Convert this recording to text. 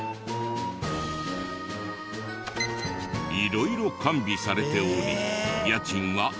色々完備されておりえーっ！